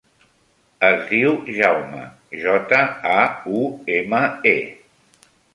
Es diu Jaume: jota, a, u, ema, e.